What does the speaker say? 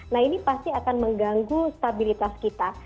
nah ini pasti akan mengganggu stabilitas kita